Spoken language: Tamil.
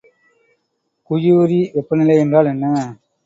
குயூரி வெப்பநிலை என்றால் என்ன?